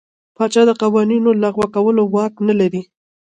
پاچا د قوانینو لغوه کولو واک نه لري.